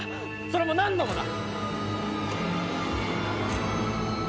それも何度もだ。